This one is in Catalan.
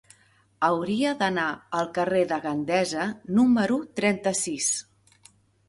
Hauria d'anar al carrer de Gandesa número trenta-sis.